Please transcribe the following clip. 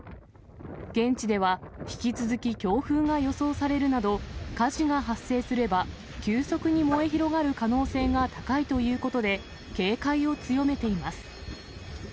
現地では引き続き強風が予想されるなど、火事が発生すれば、急速に燃え広がる可能性が高いということで、警戒を強めています。